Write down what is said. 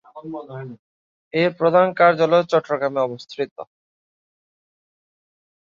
এর প্রধান কার্যালয় চট্টগ্রামে অবস্থিত।